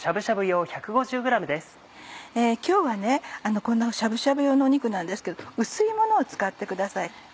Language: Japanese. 今日はこのしゃぶしゃぶ用の肉なんですけど薄いものを使ってください。